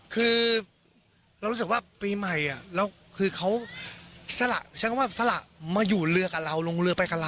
คือเรารู้สึกว่าปีใหม่และแสละมาอยู่เรือกับเราลงเรือไปกับเรา